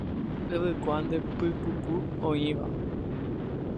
Yvykua nde pykuku oĩva.